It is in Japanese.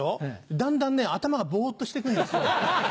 だんだんね頭がボっとして来るんですよ。